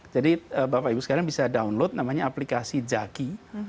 jadi bapak ibu sekarang bisa download namanya aplikasi jaki